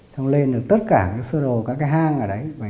xong lên được tất cả cái sơ đồ các cái hang ở đấy